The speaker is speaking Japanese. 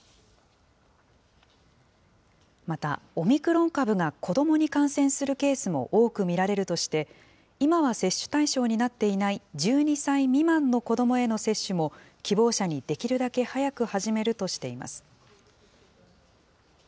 また、オミクロン株が子どもに感染するケースも多く見られるとして、今は接種対象になっていない１２歳未満の子どもへの接種も、希望者にできるだけ早く始めるとしています。